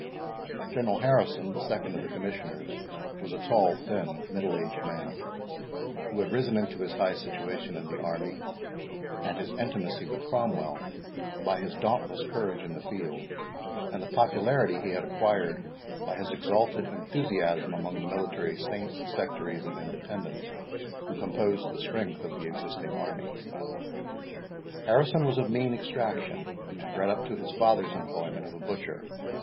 General Harrison, the second of the Commissioners, was a tall, thin, middle aged man, who had risen into his high situation in the army, and his intimacy with Cromwell, by his dauntless courage in the field, and the popularity he had acquired by his exalted enthusiasm amongst the military saints, sectaries, and Independents, who composed the strength of the existing army. Harrison was of mean extraction, and bred up to his father's employment of a butcher.